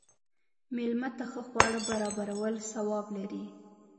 مېلمه ته ښه خواړه برابرول ثواب لري.